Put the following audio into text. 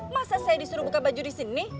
masa saya disuruh buka baju disini